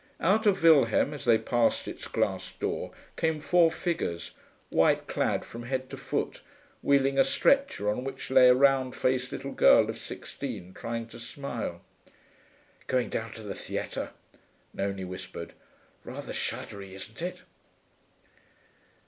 Out of Wilhelm, as they passed its glass door, came four figures, white clad from head to foot, wheeling a stretcher on which lay a round faced little girl of sixteen, trying to smile. 'Going down to the theatre,' Nonie whispered. 'Rather shuddery, isn't it?'